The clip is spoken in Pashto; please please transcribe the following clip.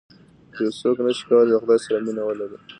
یو څوک نه شي کولای د خدای سره مینه ولري.